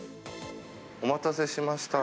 お待たせしました。